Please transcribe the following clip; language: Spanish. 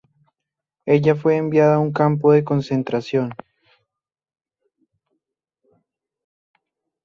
Ella fue enviada a un campo de concentración.